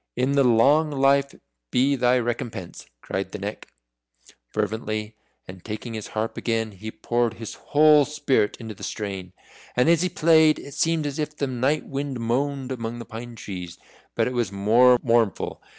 "In the long life be thy recompense!" cried the Neck, fervently, and taking his harp again, he poured his whole spirit into the strain. And as he played, it seemed as if the night wind moaned among pine trees, but it was more mournful.